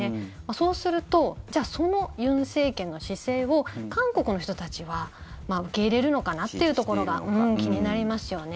そうすると、その尹政権の姿勢を韓国の人たちは受け入れるのかなってところが気になりますよね。